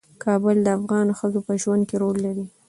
کابل د افغان ښځو په ژوند کې رول لري.